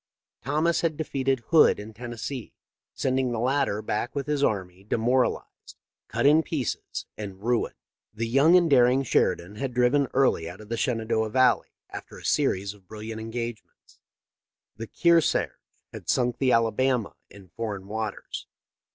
Thomas had defeated Hood in Tennessee, sending the latter back with his army demoralized, cut in pieces, and ruined. The young and daring Sher idan had driven Early out of the Shenandoah Valley after a series of brilliant engagements. The " Kearsarge " had sunk the " Alabama " in foreign waters.